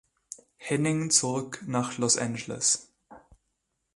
Henning zog nach Los Angeles.